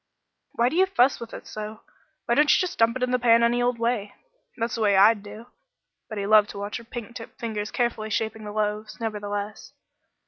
"Why do you fuss with it so? Why don't you just dump it in the pan any old way? That's the way I'd do." But he loved to watch her pink tipped fingers carefully shaping the loaves, nevertheless.